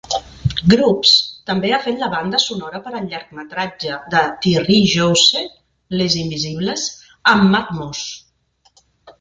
Grubbs també ha fet la banda sonora per al llargmetratge de Thierry Jousse "Les Invisibles" amb Matmos.